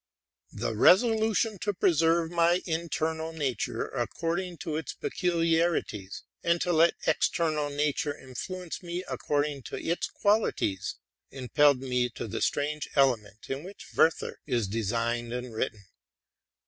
The resolution to preserve my internal nature according to its peculiarities, and to let external nature influence me according to its qualities, impelled me to the strange element in which ' Werther'' is designed and written.